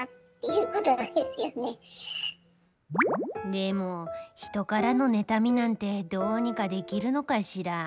でも人からの妬みなんてどうにかできるのかしら。